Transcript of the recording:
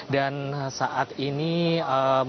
dan saat ini masih